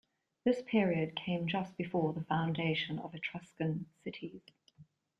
This period came just before the foundation of Etruscan cities.